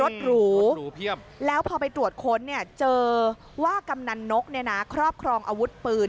เต็มแล้วพอไปตรวจค้นเจอว่ากำนันนกครอบครองอาวุธปืน